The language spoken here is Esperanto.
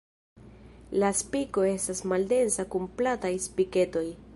La spiko estas maldensa kun plataj spiketoj.